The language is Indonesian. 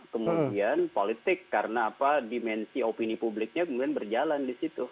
kemudian politik karena apa dimensi opini publiknya kemudian berjalan di situ